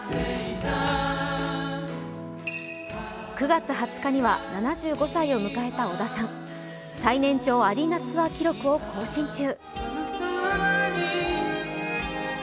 ９月２０日には７５歳を迎えた小田さん最年長アリーナツアー記録を更新中。